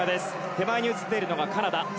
手前に映っているのがカナダ。